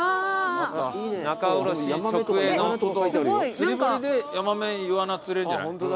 釣り堀でヤマメイワナ釣れんじゃない？